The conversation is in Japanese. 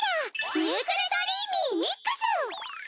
『ミュークルドリーミーみっくす！』。